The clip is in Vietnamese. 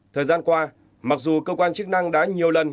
thời gian qua mặc dù cơ quan chức năng đã nhiều lần cảnh báo